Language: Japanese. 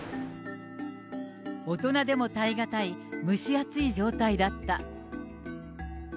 大人でも耐え難い、蒸し暑い状態だった。